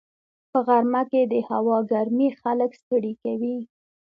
په غرمه کې د هوا ګرمي خلک ستړي کوي